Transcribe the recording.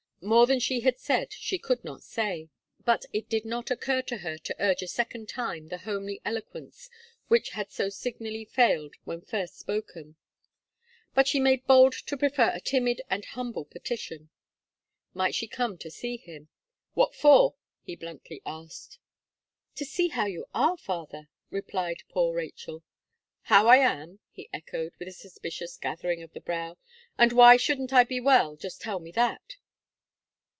More than she had said, she could not say; and it did not occur to her to urge a second time the homely eloquence which had so signally failed when first spoken. But she made bold to prefer a timid and humble petition. "Might she come to see him?" "What for?" he bluntly asked. "To see how you are, father," replied poor Rachel. "How I am," he echoed, with a suspicious gathering of the brow, "and why shouldn't I be well, just tell me that?"